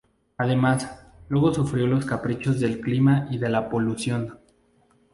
Además, luego sufrió los caprichos del clima y de la polución.